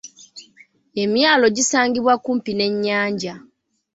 Emyalo gisangibwa kumpi n'ennyanja.